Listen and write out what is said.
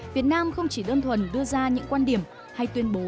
việt nam không chỉ đơn thuần đưa ra những quan điểm hay tuyên bố